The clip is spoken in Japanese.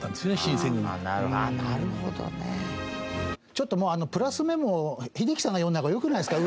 ちょっともうプラスメモ英樹さんが読んだ方がよくないですか？